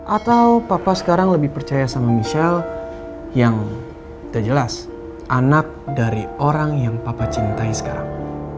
atau papa sekarang lebih percaya sama michelle yang tidak jelas anak dari orang yang papa cintai sekarang